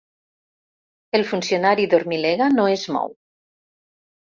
El funcionari dormilega no es mou.